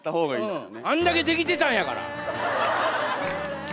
あんだけできてたんやから。